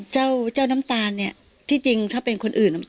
เจ้าเจ้าน้ำตาลเนี่ยที่จริงถ้าเป็นคนอื่น